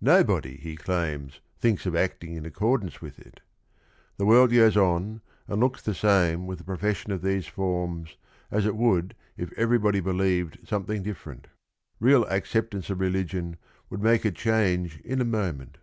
Nobody, he claims, thinks of acting in accordance with it. The world goes on and looks the same with the profession of these forms as it would if every body believed something different. Real accept ance of religion would make a change in a mo ment.